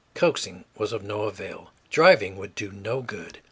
Coaxing was of no avail, driving would do no good.